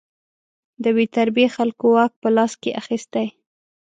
د بې تربیې خلکو واک په لاس کې اخیستی.